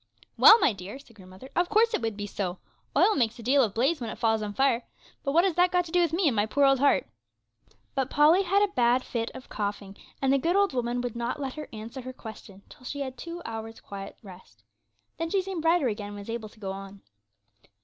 'Well, my dear,' said grandmother, 'of course it would be so: oil makes a deal of blaze when it falls on fire; but what has that got to do with me and my poor old heart?' But Polly had a bad fit of coughing, and the good old woman would not let her answer her question till she had had two hours' quiet rest. Then she seemed brighter again, and was able to go on.